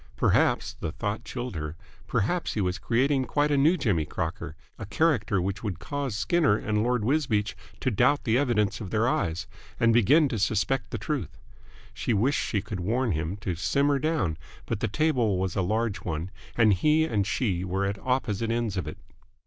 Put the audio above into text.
Perhaps the thought chilled her perhaps he was creating quite a new Jimmy Crocker, a character which would cause Skinner and Lord Wisbeach to doubt the evidence of their eyes and begin to suspect the truth. She wished she could warn him to simmer down, but the table was a large one and he and she were at opposite ends of it.